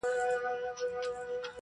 د پنجوايي د محترمي وکيل صاحبي